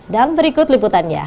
dan berikut liputannya